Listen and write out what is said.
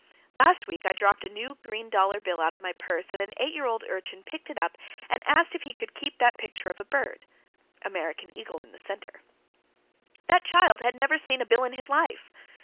Last week I dropped a new green dollar bill out of my purse, and an eight year old urchin picked it up and asked if he could keep that picture of a bird. (American eagle in the center.) That child had never seen a bill in his life!